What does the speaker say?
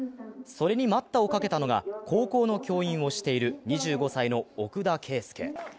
それに待ったをかけたのが高校の教員をしている２５歳の奥田啓祐。